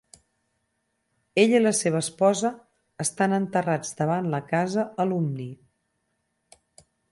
Ell i la seva esposa estan enterrats davant la casa Alumni.